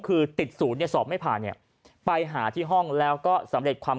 คือติดศูนย์เนี่ยสอบไม่ผ่านเนี่ยไปหาที่ห้องแล้วก็สำเร็จความ